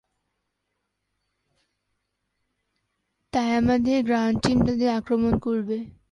তাই আমাদের ground team তাদের আক্রমণ করবে।